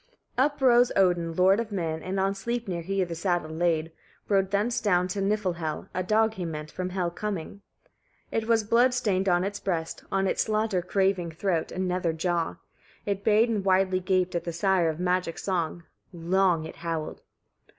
] 6. Uprose Odin lord of men and on Sleipnir he the saddle laid; rode thence down to Niflhel. A dog he met, from Hel coming. 7. It was blood stained on its breast, on its slaughter craving throat, and nether jaw. It bayed and widely gaped at the sire of magic song: long it howled.